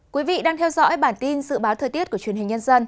quý vị đang theo dõi bản tin dự báo thời tiết của truyền hình nhân dân